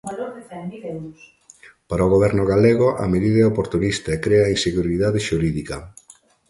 Para o Goberno galego a medida é oportunista e crea inseguridade xurídica.